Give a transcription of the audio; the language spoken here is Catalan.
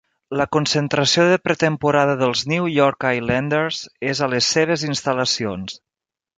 La concentració de pretemporada dels New York Islanders és a les seves instal·lacions.